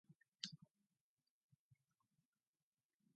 The national line-up for Easy Mix regularly changed.